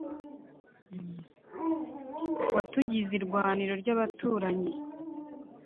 watugize irwaniro ry'abaturanyi